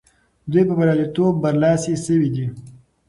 دوی په بریالیتوب برلاسي سوي دي.